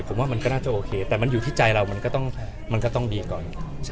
ผมว่ามันก็น่าจะโอเคแต่มันอยู่ที่ใจเรามันก็ต้องดีก่อน